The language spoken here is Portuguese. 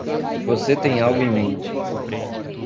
Você tem algo em mente.